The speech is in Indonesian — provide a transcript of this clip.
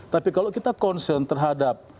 tapi kalau kita concern terhadap